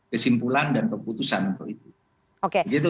kesimpulan dan keputusan untuk itu